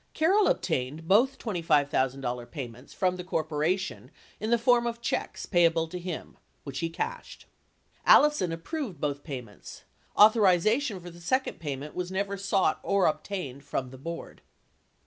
Carroll obtained both $25,000 payments from the corporation in the form of checks payable to him, which he cashed. Allison approved both payments ; authorization for the second payment was never sought or obtained from the board.